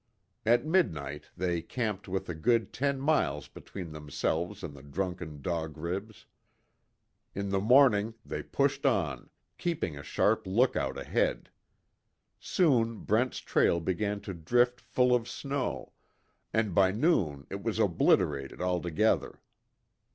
At midnight they camped with a good ten miles between themselves and the drunken Dog Ribs. In the morning they pushed on, keeping a sharp lookout ahead. Soon Brent's trail began to drift full of snow, and by noon it was obliterated altogether.